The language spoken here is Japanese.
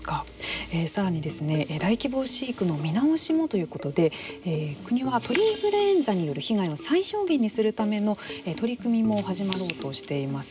さらに、大規模飼育の見直しもということで国は、鳥インフルエンザによる被害を最小限にするための取り組みも始まろうとしています。